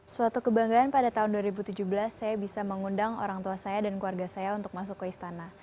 suatu kebanggaan pada tahun dua ribu tujuh belas saya bisa mengundang orang tua saya dan keluarga saya untuk masuk ke istana